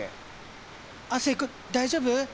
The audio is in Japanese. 亜生くん大丈夫？